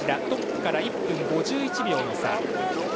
トップから１分５１秒の差。